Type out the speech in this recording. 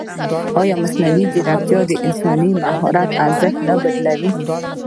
ایا مصنوعي ځیرکتیا د انساني مهارت ارزښت نه بدلوي؟